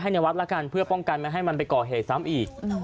ในวัดละกันเพื่อป้องกันไม่ให้มันไปก่อเหตุซ้ำอีก